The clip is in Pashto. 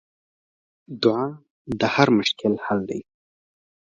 دعا د هر مشکل حل دی.